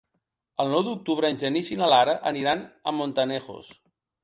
El nou d'octubre en Genís i na Lara aniran a Montanejos.